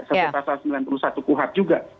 sesuai pasal sembilan puluh satu puhap juga